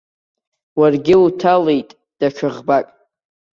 Уаргьы уҭалеит даҽа ӷбак.